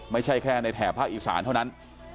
ไม่ใช่แค่ในแถบภาคอีสานเท่านั้น